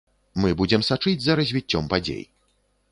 Мы будзем сачыць за развіццём падзей.